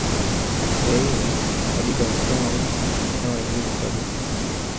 Shule ile wadigo waliichoma moto ikawa jivu kabisa